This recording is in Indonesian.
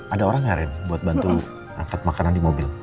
ada orang nggak ren buat bantu angkat makanan di mobil